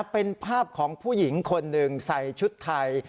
เป็นภาพของผู้หญิงคนหนึ่งใส่ชุดไทย